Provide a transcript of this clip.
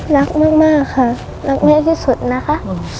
รักมากค่ะรักแม่ที่สุดนะคะ